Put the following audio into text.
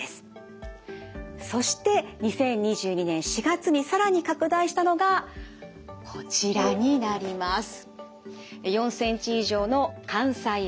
そして２０２２年４月に更に拡大したのがこちらになります。